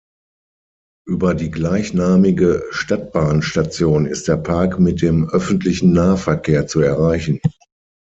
Über die gleichnamige Stadtbahnstation ist der Park mit dem öffentlichen Nahverkehr zu erreichen.